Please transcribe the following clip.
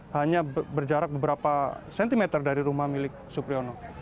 hanya berjarak beberapa sentimeter dari rumah milik sipriyono